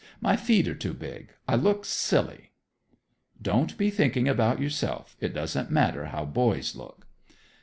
My feet are too big; I look silly." "Don't be thinking about yourself. It doesn't matter how boys look."